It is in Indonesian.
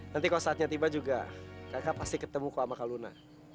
nanti kalau saatnya tiba juga kakak pasti ketemu kuk sama kak luna